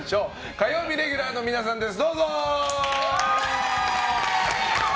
火曜日レギュラーの皆さんです。